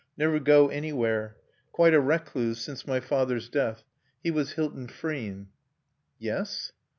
"Never go anywhere.... Quite a recluse since my father's death. He was Hilton Frean." "Yes?"